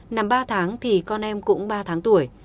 nằm ba tháng thì con em cũng ba tháng tuổi